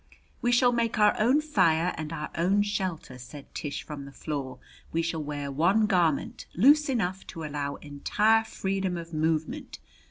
"We shall make our own fire and our own shelter," said Tish from the floor. "We shall wear one garment, loose enough to allow entire freedom of movement.